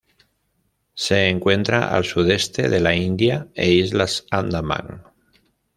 Se encuentra al sudeste de la India e Islas Andamán.